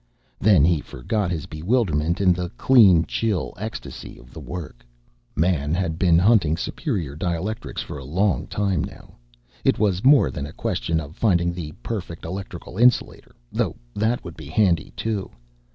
Then he forgot his bewilderment in the clean chill ecstasy of the work. Man had been hunting superior dielectrics for a long time now. It was more than a question of finding the perfect electrical insulator, though that would be handy too.